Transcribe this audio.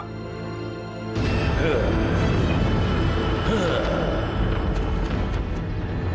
hei penguasa jahat